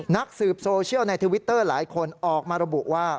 นักสืบโซเชียลในทวิตเตอร์หลายคนออกมาระบุว่า